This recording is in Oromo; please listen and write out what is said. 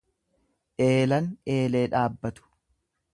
Eelan eelee dhaabbatu.